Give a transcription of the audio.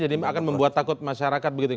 akan membuat takut masyarakat begitu